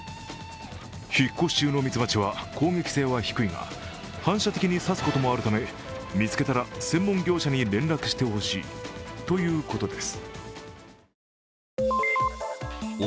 引っ越し中のみつばちは攻撃性は低いが反射的に刺すこともあるため、見つけたら専門業者に連絡してほしいということです。